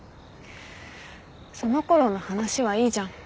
そのころの話はいいじゃん。